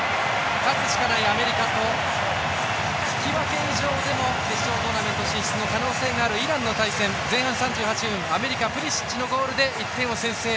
勝つしかないアメリカと引き分け以上でも決勝トーナメント進出の可能性があるイランの対戦、前半３８分アメリカ、プリシッチのゴールで１点を先制。